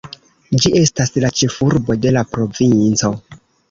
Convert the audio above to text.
Ĝi estas la ĉefurbo de la provinco.